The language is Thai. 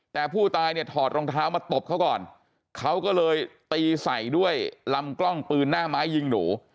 แต่ผู้ตายเนี่ยถอดรองเท้ามาตบเขาก่อนเขาก็เลยตีใส่ด้วยลำกล้องปืนหน้าไม้ยิงหนู